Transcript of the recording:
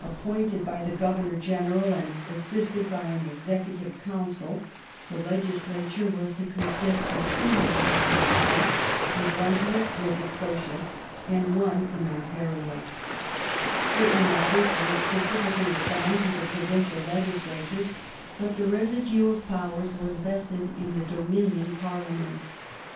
1868] PROVINCIAL CONSTITUTIONS pointed by the Governor General and assisted by an Executive Provincial Council ; the Legislature was to consist of two Houses in Quebec, 9°"^^'^"" New Brunswick, Nova Scotia, and one in Ontario.^ Certain matters were specifically assigned to the Provincial Legislatures, but the residue of powers was vested in the Dominion Parliament.